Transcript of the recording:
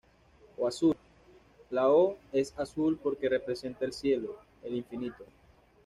O azul: La O es azul porque representa el cielo, el infinito.